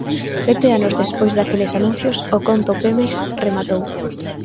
Sete anos despois daqueles anuncios, o conto Pemex rematou.